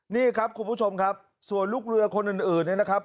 นี่ครับคุณผู้ชมครับส่วนลูกเรือคนอื่นเนี่ยนะครับ